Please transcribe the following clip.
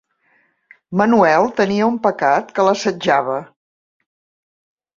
Manuel tenia un pecat que l'assetjava.